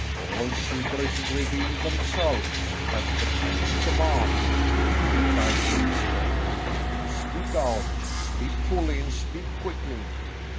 "All secrets reveal themselves at the king's command," replied James sternly. "Speak out; speak fully, and speak quickly."